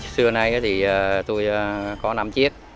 xưa nay thì tôi có năm chiếc